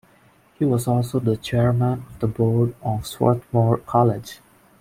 He was also the chairman of the board at Swarthmore College.